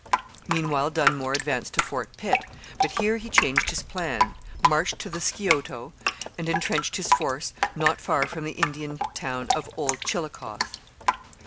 Meanwhile Dunmore advanced to Fort Pitt; but here he changed his plan, marched to the Scioto, and entrenched his force not far from the Indian town of Old Chillicothe.